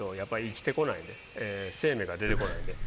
生命が出てこないんで。